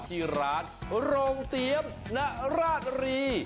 ที่ร้านโรงเตรียมนราชรี